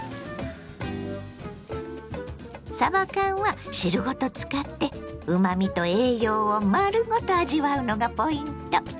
さば缶は汁ごと使ってうまみと栄養を丸ごと味わうのがポイント。